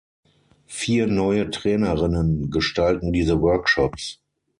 Vier neue Trainerinnen gestalten diese Workshops.